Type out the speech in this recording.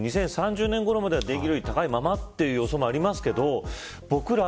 ２０３０年ごろまでは電気料金高いままというところがありますけど。